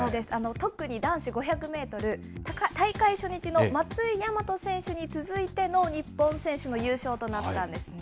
特に男子５００メートル、大会初日の松井大和選手に続いての日本選手の優勝となったんですね。